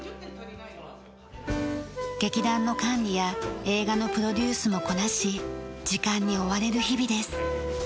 劇団の管理や映画のプロデュースもこなし時間に追われる日々です。